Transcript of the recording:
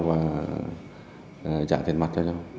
và trả tiền mặt cho nhau